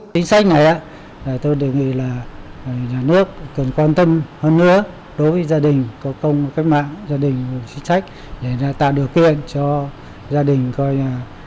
tính sách này tôi đề nghị là nhà nước cần quan tâm hơn nữa đối với gia đình có công với cách mạng gia đình sửa chữa để tạo được quyền cho gia đình